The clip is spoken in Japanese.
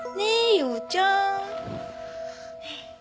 耀ちゃん。